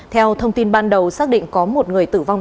theo thông tin ban đầu xác định có một người tử vong